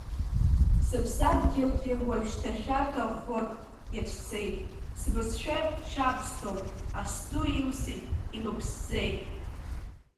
Сыԥсадгьылгьы, уажәшьҭа шәарҭа ӷәӷәак иацәцеит, Сбызшәа шьабсҭоуп, ас ду илсит, имыԥсӡеит!